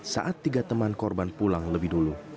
saat tiga teman korban pulang lebih dulu